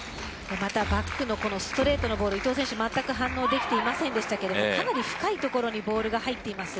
バックのストレートのボール伊藤選手、まったく反応できていませんでしたけどかなり深い所にボールが入っています。